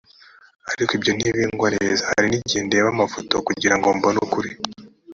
ariko ibyo ntibingwa neza hari n igihe ndeba amafoto kugirago mbone ukuri